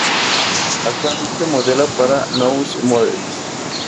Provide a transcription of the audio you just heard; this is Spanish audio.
Actualmente modela para Nous Models